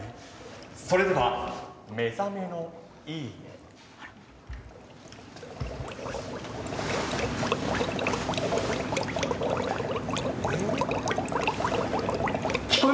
それでは「目覚めのいい音」。